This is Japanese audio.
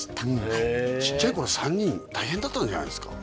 はいへえちっちゃい頃３人大変だったんじゃないですか？